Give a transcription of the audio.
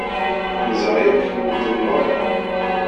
Nezha yakk medden merra